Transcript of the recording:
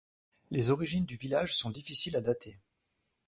Les origines du village sont difficiles à dater.